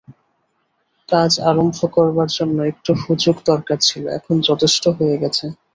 কাজ আরম্ভ করবার জন্য একটু হুজুগ দরকার ছিল, এখন যথেষ্ট হয়ে গেছে।